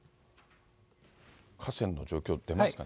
河川の状況、出ますかね。